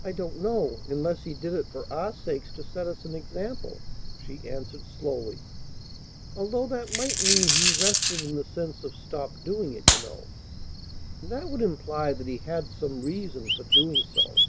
"I don't know, unless He did it for our sakes to set us an example," she answered slowly, "although that might mean He rested in the sense of stopped doing it, you know. And that would imply that He had some reason for doing so.